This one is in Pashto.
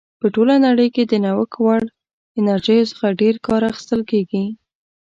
په ټوله نړۍ کې د نوښت وړ انرژیو څخه ډېر کار اخیستل کیږي.